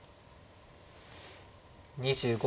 ２５秒。